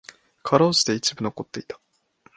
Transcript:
辛うじて一部残っていた。